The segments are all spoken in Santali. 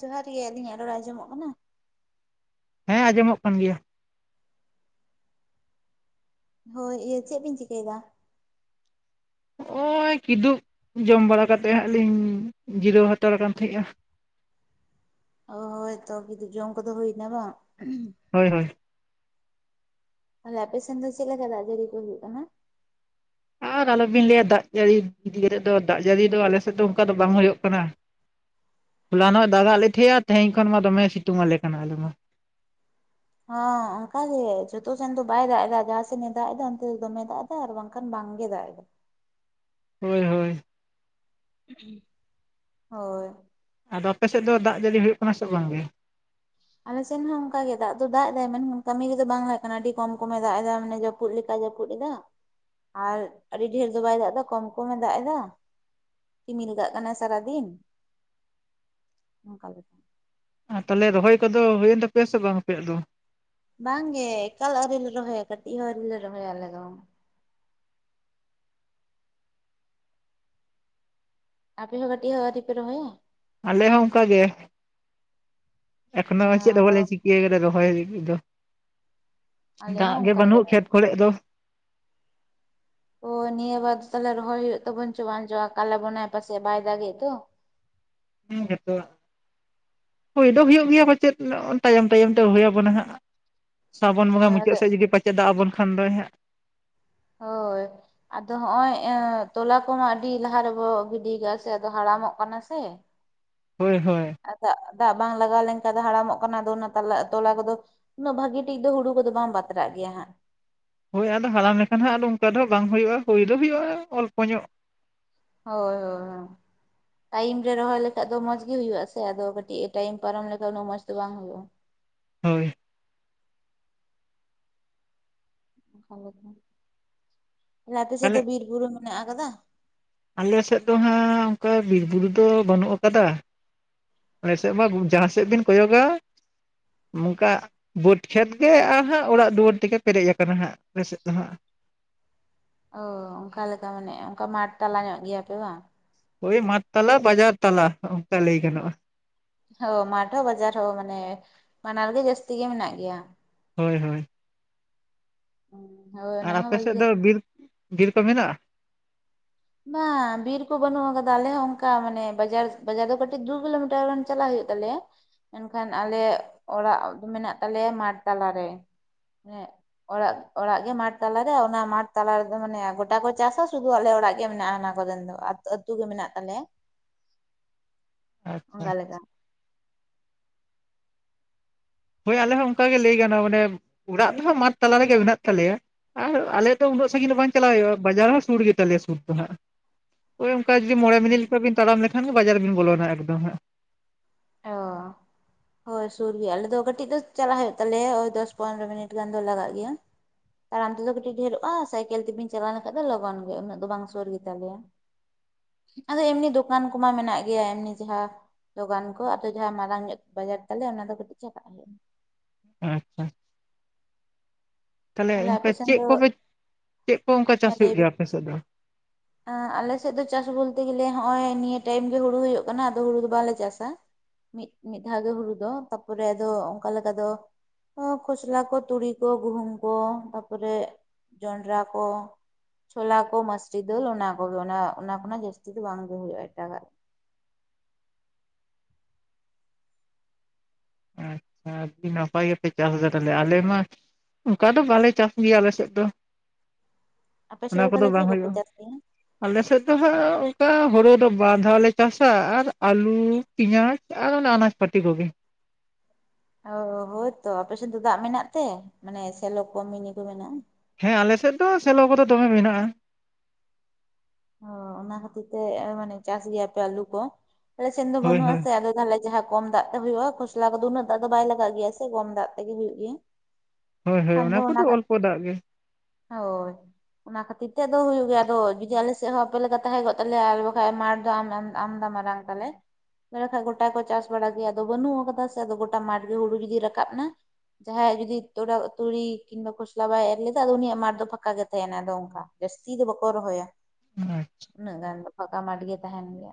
ᱡᱚᱦᱟᱨ ᱜᱮ ᱟᱹᱞᱤᱧᱟᱜ ᱨᱚᱲ ᱟᱸᱡᱚᱢᱚᱜ ᱠᱟᱱᱟ? ᱦᱮᱸ ᱟᱸᱡᱚᱢᱚᱜ ᱠᱟᱱ ᱜᱮᱭᱟ᱾ ᱦᱳᱭ ᱤᱭᱟᱹ ᱪᱮᱫ ᱵᱤᱱ ᱪᱤᱠᱟᱹᱭ ᱫᱟ? ᱱᱚᱜ ᱚᱭ ᱠᱤᱫᱩᱵ ᱡᱚᱢ ᱵᱟᱲᱟ ᱠᱟᱛᱮᱫ ᱦᱟᱸᱜ ᱞᱤᱧ ᱡᱤᱨᱟᱹᱣ ᱦᱟᱛᱟᱲ ᱠᱟᱱ ᱛᱟᱦᱮᱸᱫᱼᱟ᱾ ᱚ ᱦᱚᱭᱛᱚ ᱠᱤᱧᱩᱜ ᱡᱚᱢ ᱠᱚ ᱫᱚ ᱦᱩᱭ ᱱᱟ ᱵᱟᱝ? ᱦᱳᱭ ᱦᱳᱭ᱾ ᱛᱟᱦᱚᱞᱮ ᱟᱯᱮ ᱥᱮᱱ ᱫᱚ ᱪᱮᱫ ᱞᱮᱠᱟ ᱫᱟᱜ ᱡᱟᱹᱲᱤ ᱠᱚ ᱦᱩᱭᱩᱜ ᱠᱟᱱᱟ? ᱟᱨ ᱟᱞᱚᱵᱤᱱ ᱞᱟᱹᱭᱟ ᱫᱟᱜ ᱡᱟᱹᱲᱤ ᱟᱫᱤ ᱠᱟᱛᱮᱫ ᱫᱚ ᱫᱟᱜ ᱡᱟᱹᱲᱤ ᱫᱚ, ᱟᱞᱮ ᱥᱮᱫ ᱫᱚ ᱚᱱᱠᱟ ᱫᱚ ᱵᱟᱝ ᱦᱩᱭᱩᱜ ᱠᱟᱱᱟ᱾ ᱦᱚᱞᱟ ᱱᱚᱜ ᱮ ᱫᱟᱜ ᱟᱫ ᱞᱮ ᱛᱟᱦᱮᱸᱱᱟ, ᱛᱮᱦᱮᱧ ᱠᱷᱚᱱ ᱢᱟ ᱫᱚᱢᱮ ᱥᱤᱛᱩᱝ ᱟᱞᱮ ᱠᱟᱱᱟ ᱟᱞᱮ ᱢᱟ᱾ ᱦᱚᱸ ᱚᱱᱠᱟ ᱜᱮ ᱡᱚᱛᱚ ᱥᱮᱱ ᱫᱚ ᱵᱟᱭ ᱫᱟᱜ ᱫᱟ, ᱡᱟᱦᱟᱸ ᱥᱮᱱᱮ ᱫᱟᱜ ᱮᱫᱟ ᱚᱱᱛᱮ ᱫᱚᱢᱮ ᱫᱟᱜ ᱮᱫᱟ᱾ ᱟᱨ ᱵᱟᱝᱠᱷᱟᱱ ᱵᱟᱝᱜᱮ ᱫᱟᱜ ᱫᱟ᱾ ᱦᱳᱭ ᱦᱳᱭ᱾ ᱦᱳᱭ᱾ ᱟᱫᱚ ᱟᱯᱮ ᱥᱮᱫ ᱫᱚ ᱫᱟᱜ ᱡᱟᱹᱲᱤ ᱦᱩᱭᱩᱜ ᱠᱟᱱᱟ ᱥᱮ ᱵᱟᱝ ᱜᱮ? ᱟᱞᱮ ᱥᱮᱱ ᱦᱚᱸ ᱚᱱᱠᱟ ᱜᱮ ᱫᱟᱜ ᱫᱚ ᱫᱟᱜ ᱮᱫᱟᱭ, ᱢᱮᱱᱠᱷᱟᱱ ᱠᱟᱹᱢᱤ ᱨᱮᱫᱚ ᱵᱟᱝ ᱞᱟᱜᱟᱜ ᱠᱟᱱᱟ ᱟᱹᱰᱤ ᱠᱚᱢ ᱠᱚᱢᱮ ᱫᱟᱜ ᱮᱫᱟ ᱢᱟᱱᱮ ᱡᱟ [unintelligible] ᱞᱮᱠᱟ ᱡᱟᱹᱯᱩᱫ ᱮᱫᱟ? ᱟᱨ ᱟᱹᱰᱤ ᱰᱷᱮᱨ ᱫᱚ ᱵᱟᱭ ᱫᱟᱜ ᱮᱫᱟ ᱠᱚᱢ ᱠᱚᱢᱮ ᱫᱟᱜ ᱮᱫᱟ᱾ ᱨᱤᱢᱤᱞ ᱠᱟᱜ ᱠᱟᱱᱟᱭ ᱥᱟᱨᱟᱫᱤᱱ, ᱱᱚᱝᱠᱟ ᱞᱮᱠᱟ᱾ ᱟᱨ ᱛᱟᱦᱚᱞᱮ ᱨᱚᱦᱚᱭ ᱠᱚᱫᱚ ᱦᱩᱭᱮᱱ ᱛᱟᱯᱮᱭᱟ ᱥᱮ ᱵᱟᱝ ᱟᱯᱮᱭᱟᱜ ᱫᱚ? ᱵᱟᱝᱜᱮ ᱮᱠᱟᱞ ᱟᱹᱣᱨᱤ ᱞᱮ ᱨᱚᱦᱚᱭᱟ ᱠᱟᱹᱴᱤᱡ ᱦᱚᱸ ᱟᱹᱣᱨᱤ ᱞᱮ ᱨᱚᱦᱚᱭᱟ ᱟᱞᱮ ᱫᱚ᱾ ᱟᱯᱮ ᱦᱚᱸ ᱠᱟᱹᱴᱤᱡ ᱦᱚᱸ ᱟᱹᱣᱨᱤᱯᱮ ᱨᱚᱦᱚᱭᱟ? ᱟᱞᱮ ᱦᱚᱸ ᱚᱱᱠᱟ ᱜᱮ, ᱮᱠᱷᱚᱱᱚ ᱪᱮᱫ ᱦᱚᱸ ᱵᱟᱞᱮ ᱪᱤᱠ [inaudible] ᱨᱚᱦᱚᱭ ᱫᱚ ᱟᱞᱮ ᱫᱟᱜ ᱦᱚᱸ ᱜᱮ ᱚᱱᱠᱟᱜᱮ ᱵᱟᱹᱱᱩᱜ ᱠᱷᱮᱛ ᱠᱚᱨᱮ ᱫᱚ᱾ ᱚ ᱱᱤᱭᱟᱹ ᱵᱟᱨ ᱛᱟᱞᱚᱞᱮ ᱨᱚᱦᱚᱭ ᱦᱩᱭᱩᱜ ᱛᱟᱵᱚᱱ ᱪᱚ ᱵᱟᱝ ᱰᱚ, ᱟᱠᱟᱞ ᱟᱵᱚᱱᱟᱭ ᱯᱟᱥᱮᱫ ᱵᱟᱭ ᱫᱟᱜ ᱮ ᱛᱚ᱾ ᱦᱮᱸ ᱜᱮᱚᱛ ᱦᱩᱭ ᱫᱚ ᱦᱩᱭᱩᱜ ᱜᱮᱭᱟ ᱯᱟᱪᱮᱫ, ᱛᱟᱭᱚᱢ ᱛᱟᱭᱚᱢ ᱛᱮ ᱦᱩᱭ ᱟᱵᱚᱱᱟ ᱦᱟᱸᱜ᱾ ᱥᱟᱵᱚᱱ ᱵᱚᱸᱜᱟ ᱦᱳᱭ ᱢᱩᱟᱹᱫ ᱟᱫᱚ ᱥᱮᱫ ᱡᱩᱫᱤ ᱯᱟᱪᱮᱫ ᱫᱟᱜ ᱟᱵᱚᱱ ᱠᱷᱟᱱ ᱫᱚ ᱦᱟᱸᱜ᱾ ᱦᱳᱭ᱾ ᱟᱫᱚ ᱦᱚᱜ ᱚᱭ, ᱛᱚᱞᱟ ᱠᱚᱢᱟ ᱟᱹᱰᱤ ᱞᱟᱦᱟ ᱨᱮᱵᱚ ᱜᱤᱰᱤ ᱠᱟᱜ ᱥᱮ ᱟᱫᱚ ᱦᱟᱲᱟᱢᱚᱜ ᱠᱟᱱᱟ ᱥᱮ᱾ ᱦᱳᱭ ᱦᱳᱭ᱾ ᱫᱟᱜ ᱵᱟᱝ ᱞᱟᱜᱟᱣ ᱞᱮᱱᱠᱷᱟᱱ ᱫᱚ ᱦᱟᱲᱟᱢᱚᱜ ᱠᱟᱱᱟ ᱟᱫᱚ ᱚᱱᱟ ᱛᱟᱞᱟ ᱛᱚᱞᱟ ᱠᱚᱫᱚ ᱩᱱᱟᱹᱜ ᱵᱷᱟᱹᱜᱤ ᱴᱷᱤᱠ ᱫᱚ ᱦᱩᱲᱩ ᱠᱚᱫᱚ ᱵᱟᱢ ᱵᱟᱛᱨᱟᱜ ᱜᱮᱭᱟ ᱦᱟᱸᱜ᱾ ᱦᱳᱭ ᱟᱫᱚ ᱦᱟᱲᱟᱢ ᱞᱮᱠᱷᱟᱱ ᱦᱜᱫᱚ ᱚᱱᱠᱟ ᱫᱚ ᱵᱟᱝ ᱦᱩᱭᱩᱜᱼᱟ, ᱦᱳ ᱫᱚ ᱦᱩᱭᱩᱜᱼᱟ ᱚᱞᱯᱚ ᱧᱚᱜ᱾ ᱦᱳᱭ ᱦᱳᱭ ᱦᱚᱸ᱾ ᱴᱟᱭᱤᱢ ᱨᱮ ᱨᱚᱦᱚᱭ ᱞᱮᱠᱷᱟᱡ ᱫᱚ ᱢᱚᱸᱡᱽ ᱜᱤ ᱦᱩᱭᱩᱜᱼᱟ ᱥᱮ, ᱟᱫᱚ ᱠᱟᱹᱴᱤᱡ ᱮ ᱴᱟᱭᱤᱢ ᱯᱟᱨᱚᱢ ᱞᱮᱠᱷᱷᱟᱡ ᱩᱱᱟᱹᱜ ᱢᱚᱸᱡᱽ ᱫᱚ ᱵᱟᱝ ᱦᱩᱭᱩᱜᱼᱟ᱾ ᱦᱳᱭ᱾ [inaudible] ᱛᱟᱦᱚᱞᱮ ᱟᱯᱮ ᱥᱮᱫ ᱫᱚ ᱛᱟᱦᱚᱞᱮ ᱵᱤᱨ ᱵᱩᱨᱩ ᱢᱮᱱᱟᱜ ᱠᱟᱫᱟ? ᱟᱞᱮ ᱥᱮᱫ ᱫᱚ ᱦᱟᱸᱜ ᱚᱱᱠᱟ ᱵᱤᱨ ᱵᱩᱨᱩ ᱫᱚ ᱵᱟᱹᱱᱩᱜ ᱠᱟᱫᱟ᱾ ᱟᱞᱮ ᱥᱮᱫ ᱢᱟ ᱡᱟᱦᱟᱸ ᱥᱮᱫ ᱵᱤᱱ ᱠᱚᱭᱚ ᱜᱟ ᱱᱚᱝᱠᱟ ᱵᱟᱹᱰ ᱠᱷᱮᱛ ᱜᱮ ᱟᱨᱦᱟᱸᱜ ᱚᱲᱟᱜ ᱫᱩᱣᱟᱹᱨ ᱛᱮᱜᱮ ᱯᱮᱨᱮᱡ ᱟᱠᱟᱱᱟ ᱦᱟᱸᱜ ᱟᱞᱮ ᱥᱮᱫ ᱫᱚ ᱦᱟᱸᱜ᱾ ᱚ ᱚᱱᱠᱟ ᱞᱮᱠᱟ ᱢᱟᱱᱮ ᱚᱱᱠᱟ ᱢᱟᱴᱷ ᱛᱟᱞᱟ ᱧᱚᱜ ᱜᱮᱭᱟᱯᱮ ᱵᱟᱝ ᱦᱳᱭ ᱢᱟᱴᱷ ᱛᱟᱞᱟ ᱵᱟᱡᱟᱨ ᱛᱟᱞᱟ ᱚᱱᱠᱟ ᱞᱟᱹᱭ ᱜᱟᱱᱚᱜᱼᱟ ᱦᱳ ᱢᱟᱴ ᱦᱚᱸ ᱵᱟᱡᱟᱨ ᱦᱚᱸ ᱢᱟᱱᱮ ᱵᱟᱱᱟᱨ ᱜᱮ ᱡᱟᱹᱥᱛᱤ ᱜᱮ ᱢᱮᱱᱟᱜ ᱜᱮᱭᱟ ᱦᱳᱭ ᱦᱳᱭ ᱦᱳ ᱟᱨ ᱟᱯᱮ ᱥᱮᱫ ᱫᱚ ᱵᱤᱨ ᱵᱤᱨ ᱠᱚ ᱢᱮᱱᱟᱜᱼᱟ ᱵᱟᱝ ᱵᱤᱨ ᱠᱚ ᱵᱟᱹᱱᱩᱜ ᱟᱠᱟᱫᱟ ᱟᱞᱮ ᱚᱱᱠᱟ ᱢᱟᱱᱮ ᱵᱟᱡᱟᱨ ᱵᱟᱡᱟᱨ ᱫᱚ ᱠᱟᱹᱴᱤᱡ ᱫᱩ ᱠᱤᱞᱳᱢᱤᱴᱟᱨ ᱜᱟᱱ ᱪᱟᱞᱟᱜ ᱦᱩᱭᱩᱜ ᱛᱟᱞᱮᱭᱟ ᱢᱮᱱᱠᱷᱟᱱ ᱟᱞᱮᱭᱟᱜ ᱚᱲᱟᱜ ᱢᱮᱱᱟᱜ ᱛᱟᱞᱮᱭᱟ ᱢᱟᱴᱷ ᱛᱟᱞᱟᱨᱮ ᱮᱸᱜ ᱚᱲᱟᱜ, ᱚᱲᱟᱜ ᱜᱮ ᱢᱟᱴᱷ ᱛᱟᱞᱟᱨᱮ ᱚᱱᱟ ᱢᱟᱴᱷ ᱛᱟᱞᱟ ᱨᱮᱫᱚ ᱢᱟᱱᱮ ᱜᱚᱴᱟ ᱠᱚ ᱪᱟᱥᱟ ᱥᱩᱫᱷᱩ ᱟᱞᱮ ᱚᱲᱟᱜ ᱜᱮ ᱜᱮ ᱢᱮᱱᱟᱜᱼᱟ ᱚᱱᱟ ᱠᱚᱨᱮᱱ ᱫᱚ ᱟᱹᱛᱩ ᱜᱮ ᱢᱮᱱᱟᱜ ᱛᱟᱞᱮᱭᱟ ᱟᱪᱪᱷᱟ ᱚᱱᱠᱟ ᱟᱪᱪᱷᱟ ᱞᱮᱠᱟ ᱦᱳᱭ ᱟᱞᱮ ᱦᱚᱸ ᱚᱱᱠᱟ ᱜᱮ ᱞᱟᱹᱭ ᱜᱟᱱᱚᱜ ᱢᱟᱱᱮ ᱚᱲᱟᱜ ᱫᱚᱦ ᱢᱟᱴ ᱛᱟᱞᱟ ᱨᱮᱜᱮ ᱢᱮᱱᱟᱜ ᱛᱟᱞᱮᱭᱟ ᱟᱨ ᱟᱞᱮ ᱫᱚ ᱩᱱᱟᱹᱜ ᱥᱟᱺᱜᱤᱧ ᱫᱚ ᱵᱟᱝ ᱪᱟᱟᱜᱣ ᱦᱩᱭᱩᱜᱼᱟ ᱵᱟᱡᱟᱨ ᱦᱚᱸ ᱥᱩᱨ ᱜᱮᱛᱟᱞᱮᱭᱟ ᱥᱩᱨ ᱫᱚ ᱦᱟᱸᱜ ᱦᱳᱭ ᱚᱱᱠᱟ ᱡᱩᱫᱤ ᱢᱚᱬᱮ ᱢᱤᱱᱤᱴ ᱞᱮᱠᱟ ᱵᱤᱱ ᱛᱟᱲᱟᱢ ᱞᱮᱠᱷᱟᱱ ᱜᱮ ᱵᱟᱡᱟᱨ ᱨᱮᱵᱤᱱ ᱵᱚᱞᱚᱱᱟ ᱮᱠᱫᱚᱢ ᱦᱟᱸᱜ ᱚ [inaudible] ᱦᱳᱭ ᱥᱩᱨ ᱜᱮ ᱟᱞᱮ ᱫᱚ ᱠᱟᱹᱴᱤᱡ ᱫᱚ ᱪᱟᱞᱟᱜ ᱦᱩᱭᱩᱜ ᱛᱟᱞᱮᱭᱟ ᱳᱭ ᱫᱚᱥ ᱯᱚᱱᱨᱚ ᱢᱤᱱᱤᱴ ᱜᱟᱱ ᱫᱚ ᱞᱟᱜᱟᱜ ᱜᱮᱭᱟ ᱛᱟᱲᱟᱢ ᱛᱮᱫᱚ ᱠᱟᱹᱴᱤᱡ ᱰᱷᱮᱨᱚᱜᱼᱟ ᱥᱟᱭᱠᱮᱞ ᱛᱮᱵᱤᱱ ᱪᱟᱞᱟᱣ ᱞᱮᱠᱷᱟᱡ ᱫᱚ ᱞᱚᱜᱚᱱ ᱜᱮ ᱩᱱᱟᱹᱜ ᱫᱚ ᱵᱟᱝ ᱥᱩᱨ ᱜᱮᱛᱟᱞᱮᱭᱟ [inaudible] ᱟᱫᱚ ᱮᱢᱱᱤ ᱫᱚᱠᱟᱱ ᱠᱚᱢᱟ ᱢᱮᱱᱟᱜ ᱜᱮᱭᱟ ᱮᱢᱱᱤ ᱡᱟᱦᱟᱸ ᱫᱚᱠᱟᱱ ᱠᱚ ᱟᱫᱚ ᱡᱟᱦᱟᱸ ᱢᱟᱨᱟᱝ ᱧᱚᱜ ᱵᱟᱡᱟᱨ ᱛᱟᱞᱮ ᱚᱱᱟ ᱫᱚ ᱠᱟᱹᱴᱤᱡ ᱪᱟᱞᱟᱜ ᱦᱩᱭᱩᱜᱼᱟ ᱟᱪᱪᱷᱟ ᱛᱟᱦᱚᱞᱮ ᱟᱯᱮ ᱚᱱᱠᱟ ᱥᱮᱱ ᱪᱮᱫ ᱫᱚ ᱠᱚᱯᱮ ᱪᱮᱫ ᱠᱚ ᱚᱱᱠᱟ ᱦᱮᱸ ᱪᱟᱥ ᱞᱟᱹᱭ ᱦᱩᱭᱩᱜ ᱵᱤᱱ ᱜᱮᱭᱟ ᱟᱯᱮ ᱥᱮᱫ ᱫᱚ ᱟᱞᱮ ᱥᱮᱫ ᱫᱚ ᱪᱟᱥ ᱵᱚᱞᱛᱮ ᱜᱮᱞᱮ ᱱᱚᱜ ᱚᱭ ᱱᱤᱭᱟᱹ ᱴᱟᱭᱤᱢ ᱜᱮ ᱦᱩᱲᱳ ᱦᱩᱭᱩᱜ ᱠᱟᱱᱟ ᱟᱫᱚ ᱦᱩᱲᱩ ᱫᱚ ᱵᱟᱞᱮ ᱪᱟᱥᱟ ᱢᱤᱫ ᱢᱤᱫ ᱫᱷᱟᱣ ᱜᱮ ᱦᱩᱲᱩ ᱫᱚ ᱛᱟᱨᱯᱚᱨᱮ ᱟᱫᱚ ᱚᱱᱠᱟ ᱞᱮᱠᱟ ᱫᱚ ᱠᱷᱚᱥᱞᱟ ᱠᱚ ᱛᱩᱲᱤ ᱠᱚ ᱜᱩᱦᱩᱢ ᱠᱚ ᱛᱟᱨᱯᱚᱨᱮ ᱡᱚᱱᱰᱨᱟ ᱠᱚ ᱪᱷᱳᱞᱟ ᱠᱚ ᱢᱟᱥᱨᱤ ᱫᱟᱹᱞ ᱚᱱᱟ ᱠᱚᱜᱮ ᱚᱱᱟ ᱚᱱᱟ ᱠᱚᱱᱟᱜ ᱡᱟᱹᱥᱛᱤ ᱫᱚ ᱵᱟᱝᱜᱮ ᱦᱩᱭᱩᱜᱼᱟ ᱮᱴᱟᱜᱟᱜ ᱟᱹᱰᱤ ᱱᱟᱯᱟᱭ ᱜᱮᱯᱮ ᱪᱟᱥ ᱠᱟᱫᱟᱯᱮ ᱟᱞᱮ ᱢᱟ ᱚᱱᱠᱟ ᱫᱚ ᱵᱟᱞᱮ ᱪᱟᱥ ᱜᱮᱭᱟ ᱟᱞᱮ ᱥᱮᱫ ᱫᱚ ᱟᱯᱮ ᱥᱮᱫ ᱚᱱᱟ ᱫᱚ ᱠᱚᱫᱚ ᱛᱟᱦᱚᱞᱮ ᱵᱟᱝ ᱪᱮᱫ ᱠᱚᱯᱮ ᱦᱩᱭᱩᱜᱼᱟ ᱪᱟᱥ ᱜᱮᱭᱟ ᱟᱞᱮᱥᱮᱫ ᱫᱚ ᱦᱟᱸᱜ ᱚᱱᱠᱟ ᱦᱳᱲᱩ ᱫᱚ ᱵᱟᱨ ᱫᱷᱟᱣᱞᱮ ᱪᱟᱥᱟ ᱟᱨ ᱟᱹᱞᱩ ᱯᱮᱸᱭᱟᱡᱽ ᱟᱨ ᱚᱱᱮ ᱟᱱᱟᱥᱯᱟᱛᱤ ᱠᱚᱜᱮ ᱚ ᱦᱚᱭ ᱛᱚ ᱟᱯᱮ ᱥᱮᱫ ᱫᱚ ᱫᱟᱜ ᱢᱮᱱᱟᱜ ᱛᱮ ᱢᱟᱱᱮ ᱥᱮᱞᱚ ᱠᱚ ᱢᱤᱱᱤ ᱠᱚ ᱢᱮᱱᱟᱜᱼᱟ ᱦᱮᱸ ᱟᱞᱮ ᱥᱮᱫ ᱫᱚ ᱥᱮᱞᱚ ᱠᱚᱫᱚ ᱫᱚᱢᱮ ᱢᱮᱱᱟᱜᱼᱟ ᱚ ᱚᱱᱟ ᱠᱷᱟᱹᱛᱤᱨ ᱛᱮ ᱢᱟᱱᱮ ᱪᱟᱥ ᱜᱮᱭᱟ ᱯᱮ ᱟᱞᱩ ᱠᱚ ᱟᱞᱮ ᱥᱮᱱ ᱫᱚ ᱦᱳᱭ ᱵᱟᱹᱱᱩᱜ ᱦᱳᱭ ᱟᱥᱮ ᱟᱞᱮ ᱛᱟᱦᱮ ᱡᱟᱦᱟᱸ ᱠᱚᱢ ᱫᱟᱜ ᱛᱮ ᱦᱩᱭᱩᱜᱼᱟ ᱠᱷᱚᱥᱞᱟ ᱠᱚᱫᱚ ᱩᱱᱟᱹᱜ ᱫᱟᱜ ᱫᱚ ᱵᱟᱭ ᱞᱟᱜ ᱜᱮᱭᱟ ᱥᱮ ᱠᱚᱢ ᱫᱟᱜ ᱛᱮᱜᱮ ᱦᱩᱭᱩᱜ ᱜᱮᱭᱟ ᱦᱳᱭ ᱦᱳᱭ ᱚᱱᱟ ᱠᱚᱫᱚ ᱚᱞᱯᱚ ᱫᱟᱜ ᱜᱮ ᱦᱚᱭ ᱚᱱᱟ ᱠᱷᱟᱹᱛᱤᱨ ᱛᱮᱫ ᱫᱚ ᱦᱩᱭᱩᱜ ᱜᱮᱭᱟ ᱟᱫᱚ ᱡᱩᱫᱤ ᱟᱞᱮ ᱥᱮ ᱪᱮᱫ ᱦᱚᱸ ᱟᱯᱮ ᱞᱮᱠᱟ ᱛᱟᱦᱮᱸ ᱠᱚᱜ ᱛᱟᱞᱮᱭᱟ ᱟᱨ ᱵᱟᱝᱠᱷᱟᱱ [unintelligible] ᱟᱢᱫᱟ ᱢᱟᱨᱟᱝ ᱛᱟᱞᱮ [unintelligible] ᱜᱚᱴᱟ ᱠᱚ ᱪᱟᱥ ᱵᱟᱲᱟ ᱜᱮᱭᱟ ᱟᱫᱚ ᱵᱟᱹᱱᱩᱜ ᱟᱠᱟᱫᱟ ᱥᱮ ᱟᱫᱚ ᱜᱚᱴᱟ ᱢᱟᱴᱷ ᱜᱮ ᱦᱩᱲᱩ ᱡᱩᱫᱤ ᱨᱟᱠᱟᱵ ᱮᱱᱟ ᱡᱟᱦᱟᱸᱭᱟᱜ ᱡᱩᱫᱤ ᱛᱚᱲᱟ ᱛᱩᱲᱤ ᱠᱤᱝᱵᱟ ᱠᱷᱚᱥᱞᱟ ᱵᱟᱭ ᱮᱨ ᱞᱮᱫᱟ ᱟᱫᱚ ᱩᱱᱤᱭᱟᱜ ᱢᱟᱴᱷ ᱫᱚ ᱯᱷᱟᱸᱠᱟ ᱜᱮ ᱛᱟᱦᱮᱱᱟ ᱟᱫᱚ ᱚᱱᱠᱟ ᱡᱟᱹᱥᱛᱤ ᱫᱚ ᱵᱟᱠᱚ ᱨᱚᱦᱚᱭᱟ ᱟᱪᱪᱷᱟ ᱩᱱᱟᱹᱜ ᱜᱟᱱ ᱫᱚ ᱯᱷᱟᱸᱠᱟ ᱢᱟᱴ ᱜᱮ ᱛᱟᱦᱮᱱ ᱜᱮᱭᱟ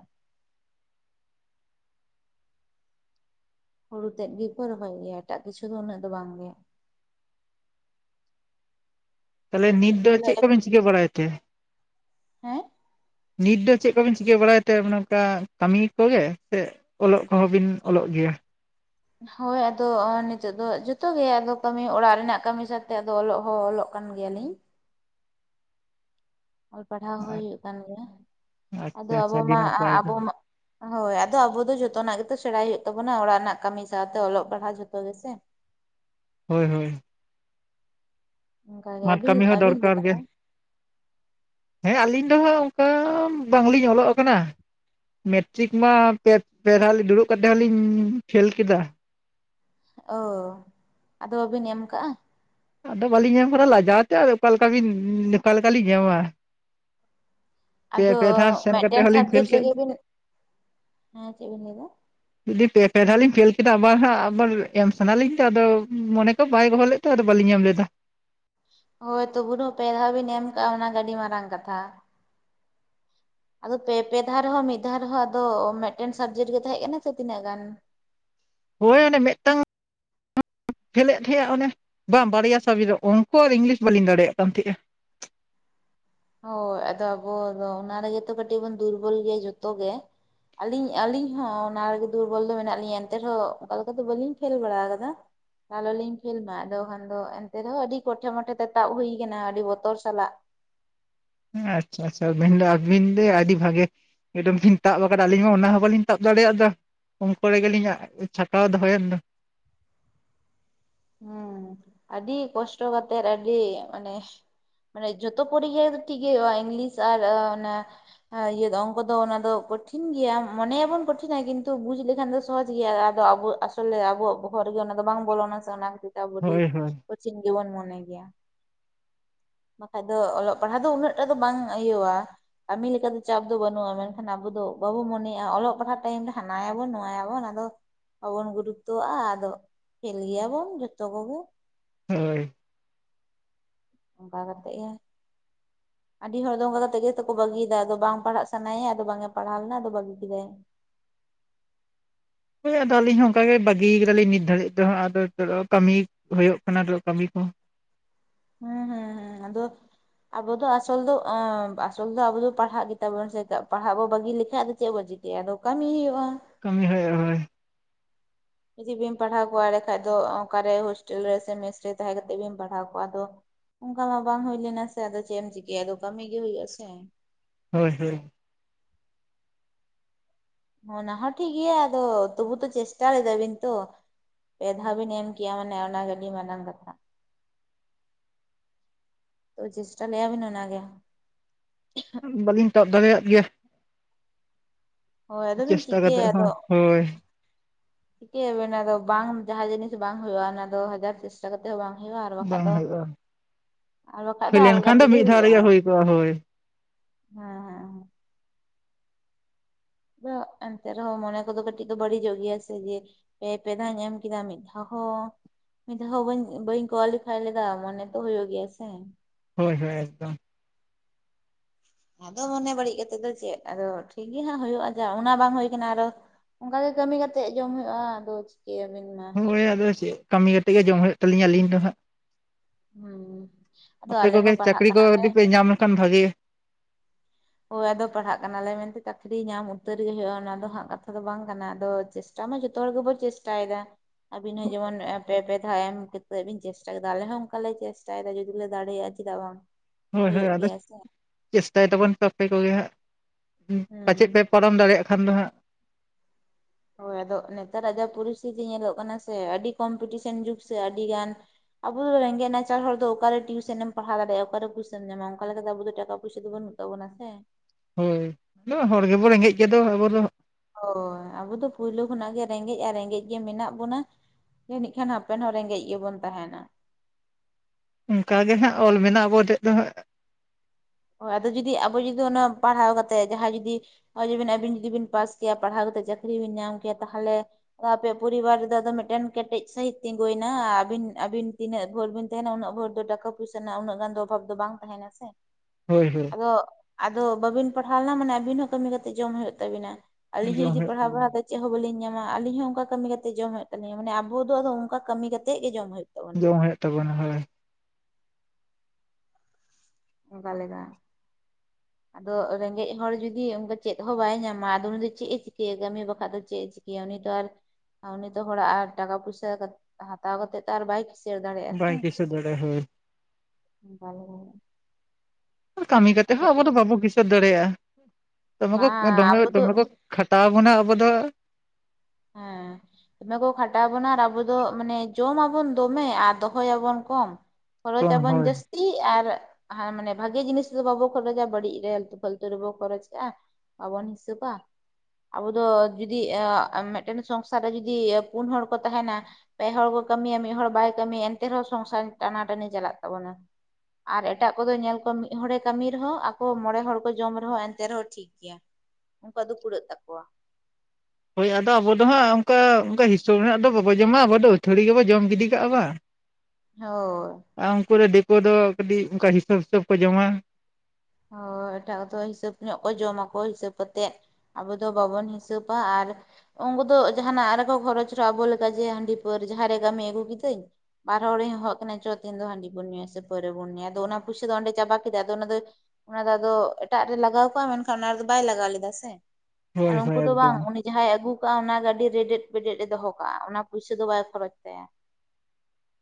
ᱦᱩᱲᱩ ᱛᱮᱫ ᱜᱮᱠᱚ ᱨᱚᱦᱚᱭ ᱜᱮᱭᱟ ᱮᱴᱟᱜ ᱠᱤᱪᱷᱩ ᱫᱚ ᱩᱱᱟᱹᱜ ᱫᱚ ᱵᱟᱝ ᱜᱮ ᱛᱟᱦᱞᱮ ᱱᱤᱛ ᱫᱚ ᱛᱟᱦᱞᱮ ᱪᱮᱫ ᱠᱚᱵᱤᱱ ᱪᱤᱠᱟᱹ ᱵᱟᱲᱟᱭ ᱛᱮ ᱦᱮᱸ ᱱᱤᱛ ᱫᱚ ᱪᱮᱫ ᱠᱚᱵᱤᱱ ᱪᱤᱠᱟᱹ ᱵᱟᱲᱟᱭ ᱛᱮ ᱚᱱᱠᱟ ᱠᱟᱹᱢᱤ ᱠᱚᱜᱮ ᱥᱮ [unintelligible] ᱚᱞᱚᱜ ᱠᱚᱦᱚᱸ ᱵᱤᱱ ᱚᱞᱚᱜ ᱜᱮᱭᱟ ᱦᱚᱭ ᱟᱫᱚ ᱱᱤᱛᱚᱜ ᱫᱚ ᱡᱚᱛᱚᱜ ᱜᱮ ᱟᱫᱚ ᱠᱟᱹᱢᱤ ᱚᱲᱟᱜ ᱨᱮᱱᱟᱜ ᱠᱟᱹᱢᱤ ᱥᱟᱶᱛᱮ ᱟᱫᱚ ᱚᱞᱚᱜ ᱦᱚᱸ ᱚᱞᱚᱜ ᱠᱟᱱ ᱜᱮᱭᱟᱞᱤᱧ ᱚᱞ ᱯᱟᱲᱦᱟᱣ ᱦᱚᱸ ᱦᱩᱭᱩᱜ ᱠᱟᱱ ᱜᱮᱭᱟ ᱟᱫᱚ ᱟᱪᱪᱷᱟ ᱟᱪᱪᱷᱟ ᱟᱵᱚ ᱟᱹᱰᱤ ᱢᱟ ᱱᱟᱯᱟᱭ ᱜᱮ ᱟᱵᱚ ᱢᱟ ᱦᱚᱭ ᱟᱫᱚ ᱟᱵᱚ ᱫᱚ ᱡᱚᱛᱚᱱᱟᱜ ᱜᱮᱛᱚ ᱥᱮᱬᱟᱭ ᱦᱩᱭᱩᱜ ᱛᱟᱵᱚᱱᱟ ᱚᱲᱟᱜ ᱨᱮᱱᱟᱜ ᱠᱟᱹᱢᱤ ᱥᱟᱶᱛᱮ ᱚᱞᱚᱜ ᱯᱟᱲᱦᱟᱜ ᱡᱚᱛᱚ ᱜᱮᱥᱮ ᱦᱚᱭ ᱦᱚᱭ ᱚᱱᱠᱟᱜᱮ ᱢᱟᱫ ᱟᱹᱵᱤᱱ ᱠᱟᱹᱢᱤ ᱦᱚᱸ ᱟᱹᱵᱤᱱ ᱫᱚ ᱫᱚᱨᱠᱟᱨ ᱜᱮ ᱛᱟᱦᱚᱞᱮ ᱦᱮᱸ ᱟᱹᱞᱤᱧ ᱫᱚ ᱦᱟᱸᱜ ᱚᱱᱠᱟ ᱵᱟᱝᱞᱤᱧ ᱚᱞᱚᱜ ᱟᱠᱟᱱᱟ ᱢᱮᱴᱨᱤᱠ ᱢᱟ ᱯᱮ ᱯᱮ ᱫᱷᱟᱣ ᱫᱩᱲᱩᱵ ᱠᱟᱛᱮ ᱦᱚᱞᱤᱧ ᱯᱷᱮᱞ ᱠᱮᱫᱟ ᱟᱫᱚ ᱵᱟᱵᱤᱱ ᱮᱢ ᱠᱟᱜᱼᱟ ᱟᱫᱚ ᱵᱟᱹᱞᱤᱧ ᱮᱢ ᱟᱠᱟᱫᱟ ᱞᱟᱡᱟᱣ ᱛᱮ ᱚᱠᱟᱠᱟ ᱵᱤᱱ ᱚᱠᱟ ᱞᱮᱠᱟᱞᱤᱧ ᱮᱢᱟ ᱟᱫᱚ ᱫᱷᱟᱣ ᱥᱮᱱ ᱠᱟᱛᱮ ᱢᱤᱫᱴᱮᱱ ᱦᱚᱸᱞᱤᱧ ᱯᱷᱮᱞ ᱥᱟᱵᱡᱮᱠᱴ ᱠᱮᱫ ᱨᱮᱜᱮ ᱵᱤᱱ ᱦᱮᱸ ᱪᱮᱫ ᱵᱤᱱ ᱞᱟᱹᱭ ᱮᱫᱟ ᱡᱩᱫᱤ ᱯᱮ ᱯᱮ ᱫᱷᱟᱣ ᱞᱤᱧ ᱯᱷᱮᱞ ᱠᱮᱫᱟ ᱟᱵᱟᱨ ᱟᱵᱟᱨ ᱮᱢ ᱥᱟᱱᱟᱞᱤᱧ ᱛᱚ ᱟᱫᱚ ᱢᱚᱱᱮ ᱠᱚ ᱵᱟᱭ ᱜᱚᱦᱚ ᱞᱮᱫ ᱛᱮ ᱟᱫᱚ ᱵᱟᱞᱤ ᱧᱟᱢ ᱞᱮᱫᱟ ᱦᱚᱭ ᱛᱚ [unintelligible] ᱯᱮ ᱫᱷᱟᱣ ᱵᱤᱱ ᱮᱢ ᱟᱠᱟᱟᱜᱼᱟ ᱚᱱᱟᱜᱤ ᱟᱹᱰᱤ ᱢᱟᱨᱟᱝ ᱠᱟᱛᱷᱟ ᱟᱫᱚ ᱯᱮ ᱯᱮ ᱫᱷᱟᱣ ᱨᱮᱦᱚᱸ ᱢᱤᱫ ᱫᱷᱟᱣ ᱨᱮᱦᱚᱸ ᱟᱫᱚ ᱢᱤᱫᱴᱮᱱ ᱥᱟᱵᱡᱮᱠᱴ ᱜᱮ ᱛᱟᱦᱮᱸ ᱠᱟᱱᱟ ᱜᱮ ᱛᱤᱱᱟᱹᱜ ᱜᱟᱱ ᱦᱚᱭ ᱚᱱᱮ ᱢᱤᱫᱴᱟᱝ [unintelligible] ᱯᱷᱮᱞᱮᱫ ᱛᱟᱦᱮᱸᱜᱼᱟ ᱚᱱᱮ ᱵᱟᱝ ᱵᱟᱨᱭᱟ ᱥᱟᱵᱡᱮᱠᱴ ᱨᱮ ᱩᱱᱠᱚ ᱟᱨ ᱤᱝᱞᱤᱥ ᱵᱟᱹᱞᱤᱧ ᱫᱟᱲᱮᱭᱟᱜ ᱠᱟᱱ ᱛᱟᱦᱮᱸᱫᱼᱟ ᱦᱚᱭ ᱟᱫᱚ ᱟᱵᱚ ᱚᱱᱟ ᱨᱮᱜᱮ ᱛᱚ ᱠᱟᱹᱴᱤᱡ ᱵᱚᱱ ᱫᱩᱨᱵᱚᱞ ᱜᱮᱭᱟ ᱡᱚᱛᱚ ᱜᱮ ᱟᱹᱞᱤᱧ ᱟᱹᱞᱤᱧ ᱦᱚᱸ ᱚᱱᱟ ᱨᱮᱜᱮ ᱫᱩᱨᱵᱚᱞ ᱫᱚ ᱢᱮᱱᱟᱜ ᱞᱤᱧᱟ ᱮᱱᱛᱮ ᱨᱮᱦᱚᱸ ᱚᱱᱠᱟ ᱞᱮᱠᱟ ᱫᱚ ᱵᱟᱹᱞᱤᱧ ᱯᱷᱮᱞ ᱵᱟᱲᱟ ᱟᱠᱟᱫᱟ ᱟᱞᱚᱞᱤᱧ ᱯᱷᱮᱞ ᱢᱟ ᱟᱫᱚ ᱠᱷᱟᱱ ᱫᱚ ᱮᱱᱛᱮ ᱨᱮᱦᱚᱸ ᱟᱹᱰᱤ ᱠᱚᱴᱷᱮ ᱢᱚᱴᱷᱮ ᱛᱮ ᱛᱟᱵ ᱦᱩᱭ ᱟᱠᱟᱱᱟ ᱟᱹᱰᱤ ᱵᱚᱛᱚᱨ ᱥᱟᱞᱟᱜ ᱟᱪᱪᱷᱟ ᱟᱪᱪᱷᱟ ᱢᱮᱱ ᱟᱵᱤᱱ ᱫᱚ ᱟᱹᱰᱤ ᱵᱷᱟᱜᱮ ᱮᱠᱫᱚᱢ ᱠᱤᱱ ᱛᱟᱵ ᱟᱠᱟᱫᱟ ᱟᱹᱞᱤᱧ ᱢᱟ ᱚᱱᱟ ᱦᱚᱸ ᱵᱟᱞᱤᱧ ᱛᱟᱵ ᱫᱟᱲᱮᱭᱟᱜᱫᱟ ᱩᱱᱠᱩ ᱨᱮᱜᱮᱞᱤᱧ ᱪᱷᱟᱴᱟᱣ ᱫᱚᱦᱚᱭᱮᱱ ᱫᱚ ᱦᱩᱸ ᱟᱹᱰᱤ ᱠᱚᱥᱴᱚ ᱠᱟᱛᱮᱫ ᱟᱹᱰᱤ ᱢᱟᱱᱮ ᱢᱟᱱᱮ ᱡᱚᱛᱚ ᱠᱚᱨᱤᱜᱮ ᱴᱷᱤᱠ ᱜᱮ ᱦᱩᱭᱩᱜᱼᱟ ᱤᱝᱞᱤᱥ ᱟᱨ ᱚᱱᱟ ᱤᱭᱟᱹ ᱫᱚ ᱚᱝᱠᱚ ᱫᱚ ᱚᱱᱟ ᱫᱚ ᱠᱚᱴᱷᱤᱱ ᱜᱮᱭᱟ ᱢᱚᱱᱮᱭᱟᱵᱚᱱ ᱠᱚᱴᱷᱤᱱᱟ ᱠᱤᱱᱛᱩ ᱵᱩᱡ ᱞᱮᱠᱷᱟᱱ ᱫᱚ ᱥᱚᱦᱚᱡ ᱜᱮᱭᱟ ᱟᱫᱚ ᱟᱥᱚᱞᱮ ᱟᱵᱚᱣᱟᱜ ᱵᱚᱦᱚᱨ ᱨᱮᱜᱮ ᱚᱱᱟ ᱫᱚ ᱵᱟᱝ ᱵᱚᱞᱚᱱᱟ ᱥᱮ ᱚᱱᱟ ᱠᱷᱟᱹᱛᱤᱨ ᱛᱮ ᱟᱵᱚ ᱦᱳᱭ ᱦᱳᱭ [unintelligible] ᱠᱳᱪᱷᱤᱱ ᱜᱮᱵᱚᱱ ᱢᱚᱱᱮ ᱜᱮᱭᱟ ᱵᱟᱠᱷᱟᱡ ᱫᱚ ᱚᱞᱚᱜ ᱯᱟᱲᱦᱟᱜ ᱫᱚ ᱩᱱᱟᱹᱜ ᱴᱟ ᱫᱚ ᱵᱟᱝ ᱤᱭᱟᱹᱣᱼᱟ ᱠᱟᱹᱢᱤ ᱞᱮᱠᱟ ᱫᱚ ᱪᱟᱯ ᱫᱚ ᱵᱟᱹᱱᱩᱜᱼᱟ ᱢᱮᱱᱠᱷᱟᱱ ᱟᱵᱚ ᱫᱚ ᱵᱟᱵᱚ ᱢᱚᱱᱮᱭᱟᱼᱟ ᱚᱞᱚᱜ ᱯᱟᱲᱦᱟᱜ ᱴᱟᱹᱭᱤᱢ ᱨᱮ ᱦᱟᱸᱜ ᱦᱟᱱᱟᱭᱟᱵᱚᱱ ᱱᱟᱣᱟᱭᱟᱵᱚᱱ ᱟᱫᱚ ᱵᱟᱵᱚᱱ ᱜᱩᱨᱩᱯᱛᱚᱣᱟᱜᱼᱟ ᱟᱫᱚ ᱯᱷᱮᱞ ᱜᱮᱭᱟᱵᱚᱱ ᱛᱚᱜᱚᱜᱮ ᱦᱳᱭ ᱾ ᱚᱱᱠᱟ ᱠᱟᱛᱮᱫ ᱜᱮ ᱟᱹᱰᱤ ᱦᱚᱲ ᱫᱚ ᱚᱱᱠᱟ ᱠᱟᱛᱮ ᱜᱮᱠᱚ ᱵᱟᱹᱜᱤᱭᱮᱫᱟ ᱟᱫᱚ ᱵᱟᱝ ᱯᱟᱲᱦᱟᱜ ᱥᱟᱱᱟᱭᱟ ᱟᱫᱚ ᱵᱟᱝ ᱮ ᱯᱟᱲᱦᱟᱣ ᱞᱮᱱᱟ ᱟᱫᱚ ᱵᱟᱹᱜᱤ ᱠᱮᱫᱟᱭ ᱾ ᱦᱳᱭ ᱟᱫᱚ ᱟᱹᱞᱤᱧ ᱦᱚᱸ ᱚᱱᱠᱟ ᱜᱮ ᱵᱟᱹᱜᱤ ᱠᱮᱫᱟᱞᱤᱧ ᱱᱤᱛ ᱫᱷᱟᱹᱨᱤᱡ ᱦᱟᱜ ᱱᱤᱛᱚ ᱫᱚ ᱟᱫᱚ ᱠᱟᱹᱢᱤ ᱦᱩᱭᱩᱜ ᱠᱟᱱᱟ ᱟᱨᱚ ᱠᱟᱹᱢᱤ ᱠᱚ ᱦᱩᱸ ᱦᱩᱸ ᱦᱩᱸ ᱟᱫᱚ ᱾ ᱟᱵᱚ ᱫᱚ ᱟᱥᱚᱞ ᱫᱚ ᱟᱥᱚᱞ ᱫᱚ ᱟᱵᱚ ᱫᱚ ᱯᱟᱲᱦᱟᱜ ᱜᱮᱛᱟᱵᱚᱱ ᱥᱮ ᱯᱟᱲᱦᱟᱜ ᱵᱚᱱ ᱵᱟᱹᱜᱤ ᱞᱮᱠᱷᱟᱡ ᱫᱚ ᱪᱮᱫ ᱵᱚ ᱪᱤᱠᱟᱹᱭᱟ ᱾ ᱪᱮᱫ ᱟᱫᱚ ᱠᱟᱹᱢᱤ ᱦᱩᱭᱩᱜᱼᱟ ᱾ ᱠᱟᱹᱢᱤ ᱦᱩᱭᱩᱜᱼᱟ ᱦᱳᱭ ᱾ ᱡᱩᱫᱤ ᱵᱤᱱ ᱯᱟᱲᱦᱟᱣ ᱠᱚᱣᱟ ᱮᱸᱲᱮ ᱠᱟᱡ ᱫᱚ ᱚᱠᱟᱨᱮ ᱦᱳᱥᱴᱮᱞ ᱨᱮ ᱥᱮ ᱢᱮᱥ ᱨᱮ ᱛᱟᱦᱮᱸ ᱠᱟᱛᱮᱜ ᱵᱤᱱ ᱯᱟᱲᱦᱟᱣ ᱠᱚᱜᱼᱟ ᱟᱫᱚ, ᱚᱱᱠᱟ ᱢᱟ ᱵᱟᱝ ᱦᱩᱭ ᱞᱮᱱᱟ ᱥᱮ ᱟᱫᱚ ᱪᱮᱫ ᱮᱢ ᱪᱤᱠᱟᱹᱭᱟ ᱟᱫᱚ ᱠᱟᱹᱢᱤ ᱜᱮ ᱦᱩᱭᱩᱜ ᱟᱥᱮ ᱦᱳᱭ ᱦᱳᱭ ᱾ ᱚᱱᱟᱦᱚ ᱴᱷᱤᱠ ᱜᱮᱭᱟ ᱟᱫᱚ ᱛᱚᱵᱩ ᱛᱚ ᱪᱮᱥᱴᱟ ᱞᱮᱫᱟᱹᱭ ᱵᱤᱱ ᱛᱚ ᱯᱮ ᱫᱷᱟᱣ ᱵᱤᱱ ᱮᱢ ᱠᱮᱜᱼᱟ ᱢᱟᱱᱮ ᱚᱱᱟ ᱜᱮ ᱟᱹᱰᱤ ᱢᱟᱨᱟᱝ ᱠᱟᱛᱷᱟ [inaudible] ᱛᱚ ᱪᱮᱥᱴᱟ ᱞᱮᱭᱟᱵᱤᱱ ᱟᱱᱟ ᱜᱮ, ᱵᱟᱹᱞᱤᱧ ᱛᱟᱵ ᱫᱟᱲᱮᱭᱟᱜ ᱜᱮᱭᱟ ᱾ ᱦᱳᱭ ᱟᱵᱤᱱ ᱪᱮᱥᱴᱟ ᱠᱟᱛᱮᱜ ᱪᱤᱠᱟᱹᱭᱟ ᱟᱫᱚ ᱦᱚᱸ ᱦᱳᱭ ᱪᱤᱠᱟᱹᱭᱟᱵᱤ ᱚᱱᱟ ᱫᱚ ᱵᱟᱝ ᱡᱟᱦᱟᱸ ᱡᱤᱱᱤᱥ ᱵᱟᱝ ᱦᱩᱭᱩᱜᱼᱟ ᱚᱱᱟ ᱫᱚ ᱦᱟᱡᱟᱨ ᱪᱮᱥ ᱢᱟ, ᱴ ᱠᱟᱛᱮ ᱦᱚᱸ ᱵᱟᱝ ᱦᱩᱭᱩᱜᱼᱟ ᱟᱨ ᱵᱟᱠᱷᱟᱡ ᱵᱟᱝ ᱫᱚ ᱦᱩᱭᱩᱜᱼᱟ ᱟᱨ ᱵᱟᱠᱷᱟᱡ ᱫᱚ ᱦᱩᱭ ᱟᱞᱜᱟ ᱞᱮᱱᱠᱷᱟᱱ ᱛᱮᱜᱮ ᱢᱤᱫ ᱫᱷᱟᱣ ᱦᱩᱭᱩᱜᱼᱟ ᱨᱮᱜᱮ ᱦᱩᱭ ᱠᱚᱜᱼᱟ ᱦᱳᱭ ᱾ ᱦᱮᱸ ᱦᱮᱸ ᱵᱟ ᱮᱱᱛᱮ ᱨᱮᱦᱚᱸ ᱢᱚᱱᱮ ᱠᱚᱫᱚ ᱠ ᱠᱟᱹᱴᱤᱡ ᱵᱟᱹᱲᱤ ᱡᱚᱜ ᱜᱮᱭᱟ ᱥᱮ ᱡᱮ ᱯᱮ ᱯᱮ ᱫᱷᱟᱣ ᱤᱧ ᱮᱢ ᱠᱮᱫᱟ ᱢᱤᱫ ᱫᱷᱟᱣ ᱦᱚᱸ ᱢᱤᱫ ᱫᱷᱟᱣ ᱦᱚᱸ ᱵᱟᱹᱧ ᱵᱟᱹᱧ ᱠᱚᱧᱟᱞᱤᱯᱷᱟᱭ ᱞᱮᱫᱟ ᱢᱚᱱᱮ ᱛᱚ ᱦᱩᱭᱩᱜ ᱜᱮᱭᱟ ᱥᱮ ᱦᱳᱭ ᱦᱳᱭ ᱮᱠᱫᱚᱢ ᱟᱫᱚ ᱢᱚᱱᱮ ᱵᱟᱹᱲᱤᱡ ᱠᱟᱛᱮᱫ ᱫᱚ ᱪᱮᱫ ᱟᱫᱚ ᱴᱷᱤᱠ ᱜᱮ ᱦᱟᱸᱜ ᱦᱩᱭᱩᱜᱼᱟ ᱡᱟᱦᱟ ᱚᱱᱟ ᱵᱟᱝ ᱦᱩᱭ ᱠᱟᱱᱟ ᱟᱨᱦᱚᱸ ᱚᱱᱠᱟ ᱜᱮ ᱠᱟᱹᱢᱤ ᱠᱟᱛᱮᱜ ᱡᱚᱢ ᱦᱩᱭᱩᱜᱼᱟ ᱟᱫᱚ ᱪᱤᱠᱟᱹᱭ ᱟᱵᱤᱱ ᱢᱟ ᱦᱳᱭ ᱟᱫᱚ ᱪᱮᱫ ᱠᱟᱹᱢᱤ ᱠᱟᱛᱮ ᱜᱮ ᱡᱚᱢ ᱦᱩᱭᱩᱜ ᱛᱟᱞᱤᱧᱟ ᱟᱹᱞᱤᱧ ᱫᱚ ᱦᱟᱸᱜ ᱦᱩᱸ ᱟᱫᱚ ᱟᱯᱮ ᱟᱞᱮ ᱠᱚᱜᱮ ᱦᱚᱸ ᱯᱟᱲᱦᱟᱜ ᱪᱟᱹᱠᱨᱤ ᱠᱚ ᱠᱟᱱᱟᱞᱮ ᱡᱚᱰᱤ ᱯᱮ ᱧᱟᱢ ᱞᱮᱠᱷᱟᱱ ᱵᱷᱟᱜᱮ ᱦᱳᱭ ᱟᱫᱚ ᱯᱟᱲᱦᱟᱜ ᱠᱟᱱᱟᱞᱮ ᱢᱮᱱᱛᱮ ᱪᱟᱠᱨᱤ ᱧᱟᱢ ᱩᱛᱟᱹᱨ ᱜᱮ ᱦᱩᱭᱩᱜᱼᱟ ᱾ ᱚᱱᱟ ᱫᱚ ᱦᱟᱸᱜ ᱠᱟᱛᱷᱟ ᱫᱚ ᱵᱟᱝ ᱠᱟᱱᱟ ᱟᱫᱚ ᱪᱮᱥ ᱪᱮᱥᱴᱟ ᱢᱟ ᱡᱚᱛᱚ ᱦᱚᱲ ᱜᱮᱵᱚᱱ ᱪᱮᱥᱴᱟᱭ ᱫᱟ, ᱟᱵᱤᱱ ᱦᱚᱸ ᱡᱮᱢᱚᱱ ᱯᱮ ᱯᱮ ᱫᱷᱟᱣ ᱮᱢ ᱠᱟᱛᱮᱫ ᱵᱤᱱ ᱪᱮᱥᱴᱟ ᱠᱮᱫᱟ ᱾ ᱟᱞᱮ ᱦᱚᱸ ᱚᱱᱠᱟᱞᱮ ᱪᱮᱥᱴᱟᱭᱮᱫᱟ ᱡᱩᱫᱤ ᱞᱮ ᱫᱟᱲᱮᱭᱟᱜᱼᱟ ᱾ ᱪᱮᱫᱟᱜ ᱵᱟᱝ? ᱦᱳᱭ ᱦᱳᱭ, ᱦᱩᱭᱩᱜ ᱟᱫᱚ ᱜᱮᱭᱟ ᱥᱮ ᱪᱮᱥᱴᱟᱭ ᱛᱟᱵᱚᱱ ᱯᱮ ᱟᱯᱮ ᱠᱚᱜᱮ ᱦᱟᱸᱜ ᱯᱟᱪᱮᱫ ᱦᱩᱸ ᱯᱮ ᱯᱟᱨᱚᱢ ᱫᱟᱲᱮᱭᱟᱜ ᱠᱷᱟᱱ ᱫᱚ ᱦᱟᱸᱜ, ᱦᱳᱭ ᱟᱫᱚ ᱱᱮᱛᱟᱨᱼᱟᱜ ᱡᱟ ᱯᱚᱨᱤᱥᱛᱷᱤᱛᱤ ᱧᱮᱞᱚᱜ ᱠᱟᱱᱟ ᱥᱮ ᱟᱹᱰᱤ ᱠᱚᱢᱯᱤᱴᱤᱥᱮᱱ ᱡᱩᱹᱜ ᱥᱮ ᱟᱹᱰᱤ ᱜᱟᱱ ᱟᱵᱚ ᱫᱚ ᱨᱮᱸᱜᱮᱡ ᱱᱟᱪᱟᱨ ᱦᱚᱲ ᱫᱚ ᱚᱠᱟᱨᱮ ᱴᱤᱭᱩᱥᱚᱱ ᱮᱢ ᱯᱟᱲᱦᱟᱣ ᱫᱟᱲᱮᱭᱟᱜᱼᱟ ᱾ ᱚᱠᱟᱨᱮᱢ ᱯᱩᱭᱥᱟᱢ ᱧᱟᱢᱼᱟ ᱾ ᱚᱱᱠᱟ ᱞᱮᱠᱟᱛᱮ ᱟᱵᱚ ᱫᱚ ᱴᱟᱠᱟ ᱯᱚᱭᱥᱟ ᱫᱚ ᱵᱟᱹᱱᱩᱜ ᱛᱚᱵᱮ ᱱᱟᱥᱮᱸ, ᱦᱳᱭ ᱟᱫᱚ ᱦᱚᱲ ᱜᱮᱵᱚᱱ ᱨᱮᱸᱜᱮᱡᱽ ᱜᱮᱫᱚ ᱟᱵᱚ ᱫᱚ ᱦᱳᱭ ᱟᱵᱚ ᱫᱚ ᱯᱩᱭᱞᱩ ᱠᱷᱚᱱᱟᱜ ᱜᱮ ᱨᱮᱸᱜᱮᱡᱽ ᱟᱨ ᱨᱮᱸᱜᱮᱡᱽ ᱜᱮ ᱢᱮᱱᱟᱜ ᱵᱚᱱᱟ ᱾ ᱡᱟᱹᱱᱤᱡ ᱠᱷᱟᱱ ᱦᱟᱯᱮᱱ ᱦᱚᱸ ᱨᱮᱸᱜᱮᱡᱽ ᱜᱮᱵᱚᱱ ᱛᱟᱸᱦᱮᱱᱟ ᱾ ᱚᱱᱠᱟ ᱜᱮ ᱦᱟᱸᱜ ᱚᱞ ᱢᱮᱱᱟᱜᱼᱟ ᱟᱵᱚ ᱴᱷᱮᱡ ᱫᱚ ᱦᱟᱸᱜ, ᱦᱳᱭ ᱟᱫᱚ ᱡᱩᱫᱤ ᱟᱵᱚ ᱡᱩᱫᱤ ᱚᱱᱟ ᱯᱟᱲᱦᱟᱣ ᱠᱟᱛᱮᱫ ᱡᱟᱦᱟᱭ ᱡᱩᱫᱤ ᱦᱚᱭ ᱟᱵᱤᱱ ᱡᱩᱫᱤ ᱵᱤᱱ ᱯᱟᱥ ᱠᱮᱭᱟ ᱯᱟᱲᱦᱟᱣ ᱠᱟᱛᱮᱫ ᱪᱟᱹᱠᱨᱤ ᱵᱤᱱ ᱧᱟᱢ ᱠᱮᱭᱟ ᱛᱟᱦᱚᱞᱮ, ᱟᱫᱚ ᱟᱯᱮᱭᱟᱜ ᱯᱚᱨᱤᱵᱟᱨ ᱨᱮᱫᱚ ᱟᱫᱚ ᱢᱤᱫᱴᱮᱱ ᱠᱮᱴᱮᱡ ᱥᱟᱹᱦᱤᱡ ᱛᱤᱸᱜᱩᱭᱱᱟ ᱟᱵᱤᱱ ᱟᱵᱤᱱ ᱛᱤᱱᱟᱹᱜ ᱵᱷᱳᱨ ᱵᱤᱱ ᱛᱟᱦᱮᱱᱟ ᱩᱱᱟᱹᱜ ᱵᱷᱳᱨ ᱫᱚ ᱴᱟᱠᱟ ᱯᱩᱭᱥᱟ ᱨᱮᱱᱟᱜ ᱩᱱᱟᱹᱜ ᱜᱟᱱ ᱫᱚ ᱚᱵᱷᱟᱵ ᱫᱚ ᱵᱟᱝ ᱛᱟᱦᱮᱱᱟ ᱥᱮ ᱦᱳᱭ ᱦᱳᱭ, ᱫᱚ ᱟᱫᱚ ᱵᱟᱹᱵᱤᱱ ᱯᱟᱲᱦᱟᱣ ᱞᱮᱱᱟ ᱢᱟᱱᱮ ᱟᱵᱤᱱ ᱦᱚᱸ ᱠᱟᱹᱢᱤ ᱠᱟᱛᱮᱜ ᱡᱚᱢ ᱦᱩᱭᱩᱜ ᱛᱟᱵᱤᱱᱟ ᱾ ᱟᱞᱤᱧ ᱦᱚᱸ ᱡᱚᱢ ᱡᱩᱫᱤ ᱦᱩᱭᱩᱜ ᱯᱟᱲᱦᱟᱣ ᱛᱟᱵᱚᱱᱟ ᱯᱟᱲᱦᱟᱣ ᱛᱮ, ᱪᱮ ᱦᱚᱸ ᱵᱟᱹᱞᱤᱧ ᱧᱟᱢᱟ ᱟᱞᱤᱧ ᱦᱚᱸ ᱚᱱᱠᱟ ᱠᱟᱹᱢᱤ ᱠᱟᱛᱮ ᱡᱚᱢ ᱦᱩᱭᱩᱜ ᱛᱟᱹᱞᱤᱧ ᱢᱟᱱᱮ ᱟᱵᱚ ᱫᱚ ᱚᱱᱠᱟ ᱠᱟᱹᱢᱤ ᱠᱟᱛᱮᱜ ᱜᱮ ᱡᱚᱢ ᱦᱩᱭᱩᱜ ᱛᱟᱵᱚᱱᱟ ᱡᱚᱢ ᱦᱩᱭᱩᱜ ᱛᱟᱵᱚᱱᱟ ᱦᱳᱭ [unintelligible] ᱟᱫᱚ ᱨᱮᱸᱜᱮᱡ ᱦᱚᱲ ᱡᱩᱫᱤ ᱚᱱᱠᱟ ᱪᱮᱫ ᱦᱚᱸ ᱵᱟᱭ ᱧᱟᱢᱟ ᱟᱫᱚ ᱩᱱᱤ ᱪᱮᱫ ᱮ ᱪᱤᱠᱟᱹᱭᱟ ᱠᱟᱹᱢᱤ ᱵᱟᱠᱷᱟᱡ ᱫᱚ ᱪᱮᱫ ᱮ ᱪᱤᱠᱟᱹ- -ᱭᱟ ᱩᱱᱤ ᱫᱚ ᱟᱨ ᱩᱱᱤ ᱛᱚ ᱦᱚᱲᱟᱜ ᱟᱨ ᱴᱟᱠᱟ ᱯᱩᱭᱥᱟ ᱦᱟᱛᱟᱣ ᱠᱟᱛᱮ ᱛᱚ ᱟᱨ ᱵᱟᱭ ᱠᱤᱥ- ᱥᱟ. ᱲ ᱫᱟᱲᱮᱭᱟᱜᱼᱟ ᱥᱮ ᱵᱟᱭ ᱠᱤᱥᱟᱹᱬ ᱫᱟᱲᱮᱭᱟᱜᱼᱟ ᱦᱳᱭ ᱠᱟᱹᱢᱤ ᱠᱟᱛᱮ ᱦᱚᱸ ᱡᱚᱛᱚ ᱟᱵᱚ ᱫᱚ ᱵᱟᱵᱚ ᱠᱤᱥᱟᱹᱲ ᱫᱟᱲᱮᱭᱟᱜ ᱫᱚᱢᱮ ᱵᱟᱝ ᱫᱚᱢᱮ ᱠᱚ ᱟᱵᱚ ᱫᱚ ᱫᱚᱢᱮ ᱠᱚ ᱠᱷᱟᱴᱟᱣ ᱵᱚᱱᱟ ᱟᱵᱚ ᱫᱚ ᱦᱩᱸ ᱫᱚᱢᱮ ᱠᱚ ᱠᱷᱟᱴᱟᱣ ᱵᱚᱱᱟ ᱟᱨ ᱟᱵᱚ ᱫᱚ ᱢᱟᱱᱮ ᱡᱚᱢ ᱟᱵᱚᱱ ᱫᱚᱢᱮ ᱟᱨ ᱫᱚᱦᱚᱭ ᱟᱵᱚᱱ ᱠᱚᱢ ᱠᱷᱚᱨᱚᱪ ᱠᱚᱢ ᱟᱵᱚᱱ ᱦᱚᱲ ᱡᱟᱥ- ᱛᱤ ᱟᱨ ᱢᱟᱱᱮ ᱵᱷᱟᱜᱤ ᱡᱤᱱᱤᱥ ᱨᱮ ᱵᱟᱵᱚ ᱠᱷᱚᱨᱚᱪᱟ ᱵᱟᱹᱲᱤᱡ ᱨᱮ ᱟᱞᱛᱩ - ᱯᱷᱟᱞᱛᱩ ᱨᱮᱵᱚ ᱠᱷᱚᱨᱚᱪ ᱠᱟᱜᱼᱟ ᱵᱟᱵᱚᱱ ᱦᱤᱥᱟᱹᱵᱼᱟ ᱟᱵᱚ ᱫᱚ ᱡᱩᱫᱤ ᱢᱤᱫ- ᱴᱮᱱ ᱥᱚᱝᱥᱟᱨ ᱨᱮ ᱡᱩᱫᱤ ᱯᱩᱱ ᱦᱚᱲ ᱠᱚ ᱛᱟᱦᱮᱱᱟ ᱯᱮ ᱦᱚᱲ ᱠᱚ ᱠᱟᱹᱢᱤᱭᱟ ᱢᱤᱫ ᱦᱚᱲ ᱵᱟᱭ ᱠᱟᱹᱢᱤᱭᱟ ᱮᱱᱛᱮ ᱨᱮᱦᱚᱸ ᱥᱚᱝᱥᱟᱨ ᱴᱟᱱᱟᱴᱟᱹᱱᱤ ᱪᱟᱞᱟᱜ ᱛᱟᱵᱚᱱᱟ ᱟᱨ ᱮᱴᱟᱜ ᱠᱚᱫᱚ ᱧᱮᱞ ᱠᱚᱢ ᱢᱤᱫ ᱦᱚᱲᱮ ᱠᱟᱹᱢᱤ ᱨᱮᱦᱚᱸ ᱟᱠᱚ ᱢᱚᱬᱮ ᱦᱚᱲ ᱠᱚ ᱡᱚᱢ ᱨᱮᱦᱚᱸ ᱮᱱᱛᱮ ᱨᱮᱦᱚᱸ ᱴᱷᱤᱠ ᱜᱮᱭᱟ ᱩᱱᱠᱩᱣᱟᱜ ᱫᱚ ᱠᱩᱲᱟᱹᱜ ᱛᱟᱠᱚᱣᱟ ᱦᱳᱭ ᱟᱫᱚ ᱟᱵᱚ ᱫᱚ ᱦᱟᱸᱜ ᱚᱱᱠᱟ, ᱚᱱᱠᱟ ᱦᱤᱥᱟᱹᱵᱽ ᱨᱮᱱᱟᱜ ᱫᱚ ᱵᱟᱵᱚ ᱡᱚᱢᱟ ᱟᱵᱚ ᱫᱚ ᱟᱹᱛᱷᱟᱹᱲᱤ ᱜᱮᱵᱚ ᱡᱚᱢ ᱜᱤᱰᱤ ᱠᱟᱜᱼᱟ ᱵᱟᱸ [inaudible] ᱦᱳᱭ ᱟᱨ ᱩᱱᱠᱩ ᱫᱚ ᱫᱤᱠᱩ ᱫᱚ ᱠᱟᱹᱴᱤᱡ ᱚᱱᱠᱟ ᱦᱤᱥᱟᱹᱵᱽ ᱦᱤᱥᱟᱹᱵᱽ ᱠᱚ ᱡᱚᱢᱟ ᱦᱚᱸ ᱮᱴᱟᱜ ᱠᱚᱫᱚ ᱦᱤᱥᱟᱹᱵᱽ ᱧᱚᱜ ᱠᱚ ᱡᱚᱢᱟ ᱠᱚ ᱦᱤᱥᱟᱹᱵ ᱠᱟᱛᱮᱜ, ᱟᱵᱚ ᱫᱚ ᱵᱟᱵᱚᱱ ᱦᱤᱥᱟᱹᱵᱽᱟ ᱟᱨ ᱩᱱᱠᱩ ᱫᱚ ᱡᱟᱦᱟᱱᱟᱜ ᱨᱮᱠᱚ ᱠᱷᱚᱨᱚᱪ ᱨᱮᱦᱚᱸ ᱟᱵᱚ ᱞᱮᱠᱟ ᱡᱮ ᱦᱟᱺᱰᱤ ᱯᱟᱹᱨ ᱡᱟᱦᱟᱸ ᱨᱮ ᱠᱟᱹᱢᱤ ᱟᱹᱜᱩ ᱠᱤᱫᱟᱹᱧ ᱵᱟᱨ ᱦᱚᱲᱤᱧ ᱦᱚᱦᱚ ᱟᱜ ᱠᱤᱱᱟ ᱪᱚ ᱛᱤᱦᱤᱱ ᱫᱚ ᱦᱟᱺᱰᱤ ᱵᱚᱱ ᱧᱩᱭᱟ ᱥᱮ ᱯᱟᱹᱣᱨᱟᱹ ᱵᱚᱱ ᱧᱩᱭᱟ ᱟᱫᱚ ᱚᱱᱟ ᱯᱩᱭᱥᱟᱹ ᱫᱚ ᱚᱸᱰᱮ ᱪᱟᱵᱟ ᱠᱮᱫᱟ ᱟᱫᱚ ᱚᱱᱟ ᱫᱚ ᱚᱱᱟ ᱫᱚ ᱟᱫᱚ ᱮᱴᱟᱜ ᱨᱮ ᱞᱟᱜᱟᱣ ᱠᱚᱜ-ᱟ ᱢᱮᱱᱠᱷᱟᱱ ᱚᱱᱟ ᱨᱮᱫᱚ ᱵᱟᱭ ᱞᱟᱜᱟᱣ ᱞᱮᱫᱟ ᱥᱮ ᱟᱨ ᱦᱳᱭ ᱦᱳᱭ ᱩᱱᱠᱩ ᱫᱚ ᱵᱟᱝ ᱮᱠᱫᱚᱢ ᱩᱱᱤ ᱡᱟᱦᱟᱸᱭ ᱮ ᱟᱹᱜᱩ ᱠᱟᱜᱼᱟ ᱚᱱᱟ ᱜᱮ ᱟᱹᱰᱤ ᱨᱮᱰᱮᱫ ᱵᱮᱰᱮᱫ ᱮ ᱫᱚᱦᱚ ᱠᱟᱜᱼᱟ ᱚᱱᱟ ᱯᱩᱭᱥᱟᱹ ᱫᱚ ᱵᱟᱭ ᱠᱷᱚᱨᱚᱪ ᱛᱟᱭᱟ, [inaudible]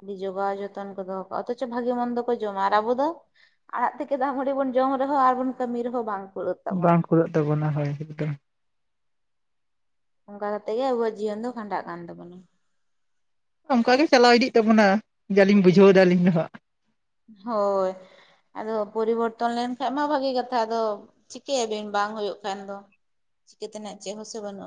ᱟᱹᱰᱤ ᱡᱚᱜᱟᱣ ᱡᱚᱛᱚᱱ ᱠᱚ ᱫᱚᱦᱚ ᱠᱟᱜᱼᱟ ᱚᱛᱷᱚᱪᱚ ᱵᱷᱟᱜᱮ ᱢᱚᱱᱫᱚ ᱠᱚ ᱡᱚᱢᱟ ᱟᱨ ᱟᱵᱚ ᱫᱚ ᱟᱲᱟᱜ ᱛᱮᱠᱮ ᱫᱟᱜ ᱢᱟᱹᱰᱤ ᱵᱚᱱ ᱡᱚᱢ ᱨᱮᱦᱚᱸ ᱟᱨ ᱵᱚᱱ ᱠᱟᱹᱢᱤ ᱨᱮᱦᱚᱸ ᱵᱟᱝ, ᱠᱩᱲᱟᱹᱜ ᱛᱟᱵᱚᱱᱟ ᱵᱟᱝ ᱠᱩᱲᱟᱹᱜ ᱛᱟᱵᱚᱱᱟ ᱦᱳᱭ ᱮᱠᱫᱚᱢ, ᱚᱝᱠᱟ ᱠᱟᱛᱮᱜ ᱜᱮ ᱟᱵᱚᱣᱟᱜ ᱡᱤᱭᱚᱱ ᱫᱚ ᱠᱷᱟᱸᱰᱟᱜ ᱠᱟᱱ ᱛᱟᱵᱚᱱᱟ, ᱚᱱᱠᱟ ᱜᱮ ᱪᱟᱞᱟᱣ ᱤᱫᱤᱜ ᱛᱟᱵᱚᱱᱟ ᱡᱟ ᱞᱤᱧ ᱵᱩᱡᱷᱟᱹᱣ ᱫᱟ ᱟᱹᱞᱤᱧ ᱫᱚ ᱦᱟᱸᱜ, ᱦᱳᱭ ᱟᱫᱚ ᱯᱚᱨᱤᱵᱚᱨᱛᱚᱱ ᱞᱮᱱᱠᱷᱟᱡ ᱢᱟ ᱵᱷᱟᱜᱤ ᱠᱟᱛᱷᱟ ᱟᱫᱚ ᱪᱤᱠᱟᱹᱭᱟᱵᱤᱱ ᱵᱟᱝ ᱦᱩᱭᱩᱜ ᱠᱷᱟᱱ ᱫᱚ ᱪᱤᱠᱟᱹᱛᱮᱱᱟᱜ ᱪᱮᱫ ᱦᱚᱸ ᱥᱮ ᱵᱟᱹᱱᱩᱜᱼᱟ